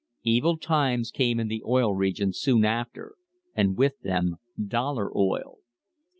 Evil times came in the Oil Regions soon after and with them "dollar oil."